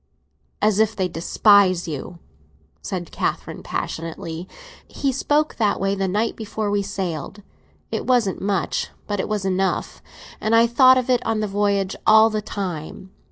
"As if they despised you!" said Catherine passionately. "He spoke that way the night before we sailed. It wasn't much, but it was enough, and I thought of it on the voyage, all the time.